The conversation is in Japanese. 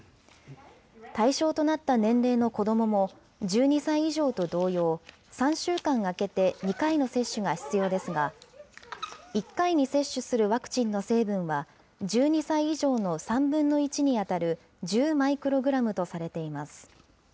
対象となった年齢の子どもも、１２歳以上と同様、３週間あけて２回の接種が必要ですが、１回に接種するワクチンの成分は、１２歳以上の３分の１に当たる１０マイクログラムとされています。